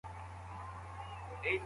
حفظ الصحه د ناروغیو سره څه تړاو لري؟